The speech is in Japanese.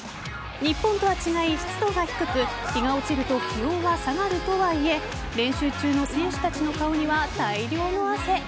日本とは違い湿度が低く日が落ちると気温は下がるとはいえ練習中の選手たちの顔には大量の汗。